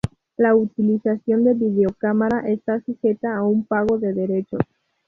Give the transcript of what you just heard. La utilización de videocámara está sujeta a un pago de derechos